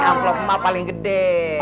nah amplok mal paling gede